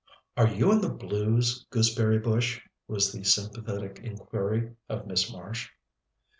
"Are you in the blues, Gooseberry bush?" was the sympathetic inquiry of Miss Marsh.